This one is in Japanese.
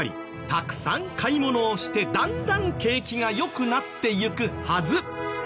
たくさん買い物をしてだんだん景気が良くなっていくはず。